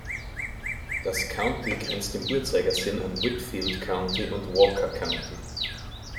Das County grenzt im Uhrzeigersinn an Whitfield County und Walker County.